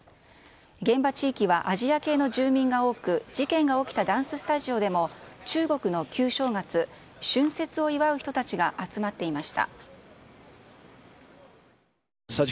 現場地域はアジア系の住民が多く、事件が起きたダンススタジオでも、中国の旧正月、春節を祝う人たちが集まっていました。